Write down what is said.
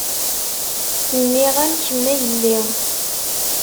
Nniɣ-am kemm a yelli.